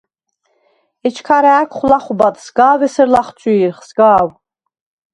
ეჩქა რა̄̈ქვხ ლახვბად: სგავ ესერ ლახცვი̄რხ, სგა̄ვ.